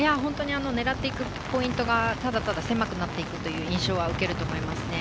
狙っていくポイントがただただ狭くなっていく印象は受けると思いますね。